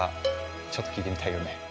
ちょっと聴いてみたいよね。